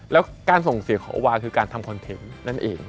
แล้วการส่งเสียของโอวาคือการทำคอนเทนต์นั่นเอง